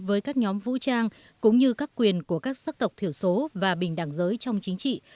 với các nhóm vũ trang cũng như các quyền của các sắc tộc thiểu số và bình đẳng giới trong chính trị